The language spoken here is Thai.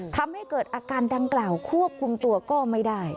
ทำให้เกิดอาการดังกล่าวควบคุมตัวก็ไม่ได้